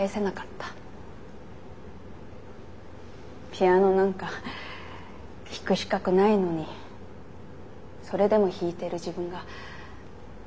ピアノなんか弾く資格ないのにそれでも弾いてる自分が許せなくて。